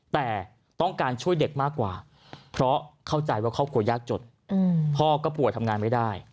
แต่ต้องการช่วยเด็กมากกว่าเพราะเข้าใจว่าครอบครัวยากจนพ่อก็ป่วยทำงานไม่ได้